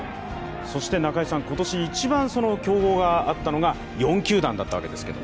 中居さん、今年一番競合があったのが４球団だったわけですけど。